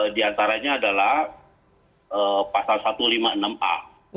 diantaranya adalah pasal satu ratus lima puluh enam a